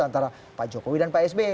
antara pak jokowi dan pak sby